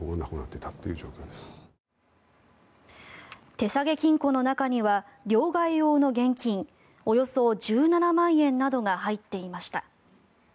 手提げ金庫の中には両替用の現金およそ１７万円などが入っていました。